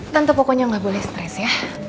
tante pokoknya nggak boleh stress ya